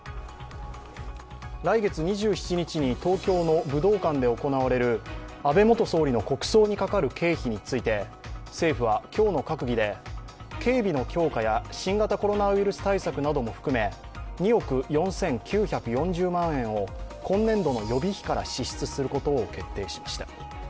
来月２７日に東京の武道館で行われる安倍元総理の国葬にかかる経費について、政府は今日の閣議で、警備の強化や新型コロナウイルス対策なども含め２億４９４０万円を今年度の予備費から支出することを決定しました。